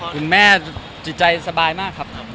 คุณแม่จิตใจสบายมากครับ